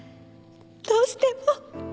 どうしても。